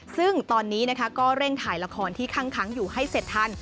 ซึ่งตอนนี้นะคะก็เร่งถ่ายละครที่คั่งอยู่ให้เสร็จทัน